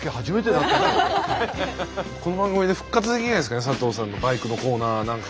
この番組で復活できないんですかね佐藤さんのバイクのコーナーなんか。